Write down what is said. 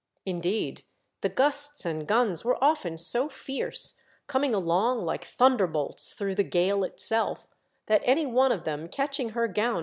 Indeed, the gusts and guns were often so fierce — coming along like thunderbolts through the gale itself — tkat any one of them catch ing her gown n?.